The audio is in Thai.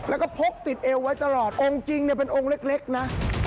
แล้วก็พกติดเอวไว้ตลอดองค์จริงเนี่ยเป็นองค์เล็กนะ